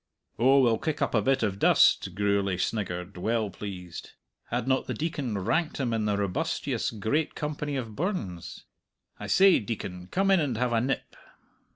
"Oh, we'll kick up a bit of a dust," Gourlay sniggered, well pleased. Had not the Deacon ranked him in the robustious great company of Burns! "I say, Deacon, come in and have a nip."